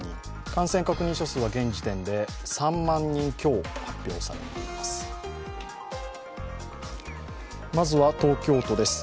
感染確認者数は現時点で３万人強発表されています。